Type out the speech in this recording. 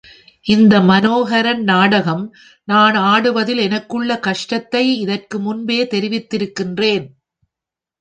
இந்த மனோஹரன் நாடகம் நான் ஆடுவதில் எனக்குள்ள கஷ்டத்தை இதற்கு முன்பே தெரிவித்திருக்கிறேன்.